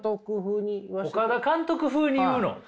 岡田監督風に言わせて。